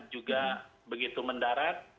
juga begitu mendarat